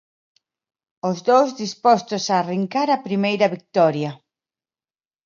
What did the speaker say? Os dous dispostos a arrincar a primeira vitoria.